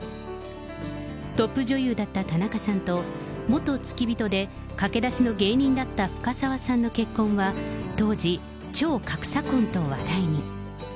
トップ女優だった田中さんと、元付き人で駆け出しの芸人だった深沢さんの結婚は当時、超格差婚と話題に。